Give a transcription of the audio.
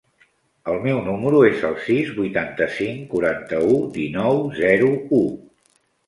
El meu número es el sis, vuitanta-cinc, quaranta-u, dinou, zero, u.